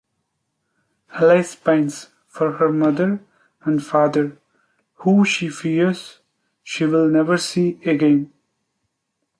Alice pines for her Mother and Father, who she fears she'll never see again.